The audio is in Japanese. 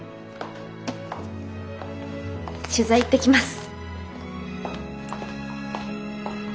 取材行ってきます！